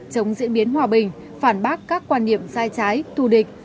chống diễn biến hòa bình phản bác các quan điểm sai trái thù địch